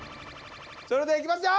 それではいきますよ！